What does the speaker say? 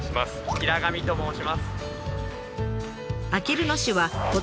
平神と申します。